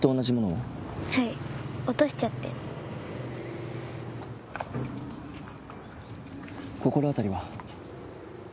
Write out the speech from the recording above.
心当たりは？